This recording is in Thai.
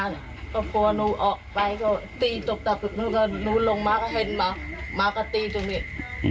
ก็กระปุ่นหนูออกไปก็ตีจุบตักหนูลงมาเมื่อเห็นมามาก็ตีจังเงี้ย